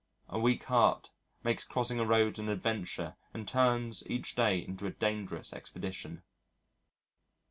A weak heart makes crossing a road an adventure and turns each day into a dangerous expedition.